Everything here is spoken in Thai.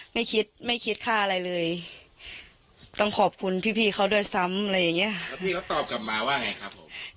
ไม่คิดไม่คิดค่าอะไรเลยต้องขอบคุณพี่พี่เขาด้วยซ้ำอะไรอย่างเงี้ยแล้วพี่เขาตอบกลับมาว่าไงครับผม